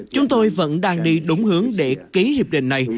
chúng tôi vẫn đang đi đúng hướng để ký hiệp định này